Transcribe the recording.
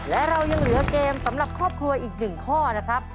และเรายังเหลือเกมสำหรับครอบครัวอีก๑ข้อนะครับ